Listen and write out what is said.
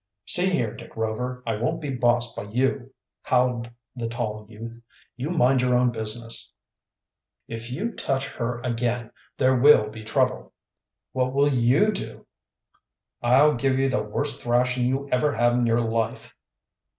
"See here, Dick Rover, I won't be bossed by you!" howled the tall youth. "You mind your own business." "If you touch her again, there will be trouble." "What will you do?" "I'll give you the worst thrashing you ever had in your life."